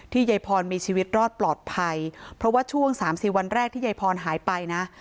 ยายพรมีชีวิตรอดปลอดภัยเพราะว่าช่วงสามสี่วันแรกที่ยายพรหายไปนะ